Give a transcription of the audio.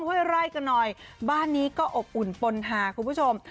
ห้วยไร่กันหน่อยบ้านนี้ก็อบอุ่นปนหาคุณผู้ชม